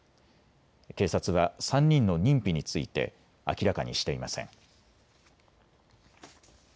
警察は３人の認否について明らかにしていません。